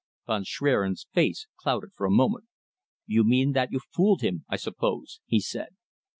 Von Schwerin's face clouded for a moment. "You mean that you fooled him, I suppose," he said.